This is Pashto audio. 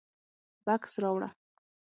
_بکس راوړه.